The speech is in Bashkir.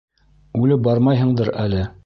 Үлеп бармайһыңдыр әле.